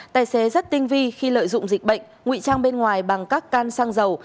tài xế rất tinh vi khi lợi dụng dịch bệnh ngụy trang bên ngoài bằng các can xăng dầu